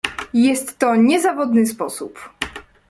"Jest to niezawodny sposób."